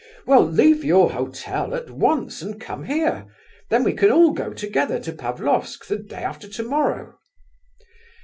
"Well, leave your hotel at once and come here; then we can all go together to Pavlofsk the day after tomorrow."